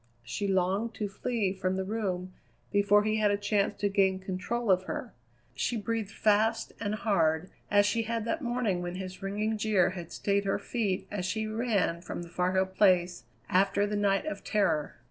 She longed to flee from the room before he had a chance to gain control of her. She breathed fast and hard, as she had that morning when his ringing jeer had stayed her feet as she ran from the Far Hill Place after the night of terror.